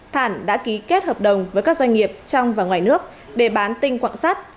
thản đã ký kết hợp đồng với các doanh nghiệp trong và ngoài nước để bán tinh quạng sắt